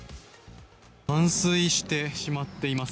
冠水してしまっています。